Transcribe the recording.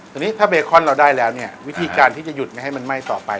ตอนนี้ถ้าเบคอนเราได้แล้วเนี่ยวิธีการที่จะหยุดไม่ให้มันไหม้ต่อไป